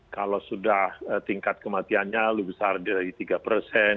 kalau sudah tingkat kematiannya lebih besar dari tiga persen